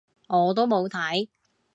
我都冇睇